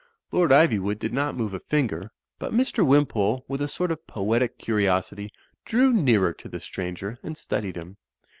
Lord Ivywood did not move a finger; but Mr. Wimpole, with a sort of poetic curiosity, drew nearer to the stranger, and studied him.